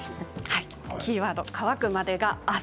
キーワード、「乾くまでが汗！」